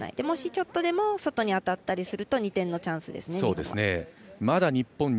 もし、ちょっとでも外に当たったりすると２点のチャンスですね、日本。